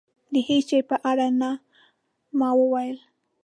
د هېڅ شي په اړه نه. ما وویل.